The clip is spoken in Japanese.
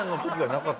なかった。